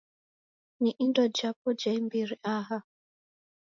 Ni indo japo ja imbiri aha.